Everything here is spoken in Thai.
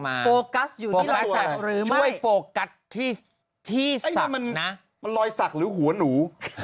มันรอยสักหรือหัวหนู